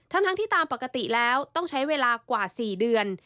ทั้งที่ตามปกติแล้วต้องใช้เวลากว่า๔เดือน